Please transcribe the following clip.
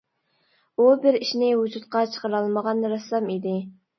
ئۇ بىر ئىشنى ۋۇجۇدقا چىقىرالمىغان رەسسام ئىدى.